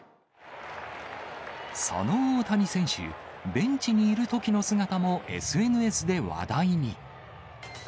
その大谷選手、ベンチにいるときの姿もＳＮＳで話題に。